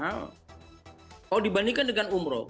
kalau dibandingkan dengan umroh